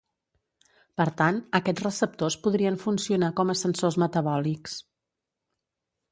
Per tant, aquests receptors podrien funcionar com a sensors metabòlics.